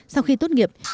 sau khi tốt nghiệp